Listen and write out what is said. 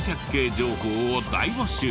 情報を大募集。